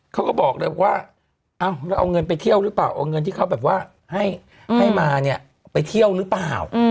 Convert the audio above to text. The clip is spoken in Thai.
เขาก็บอกเลยว่าเราเอาเงินไปเที่ยวหรือเปล่าเอาเงินที่เขาแบบว่าให้มาเนี่ยไปเที่ยวหรือเปล่า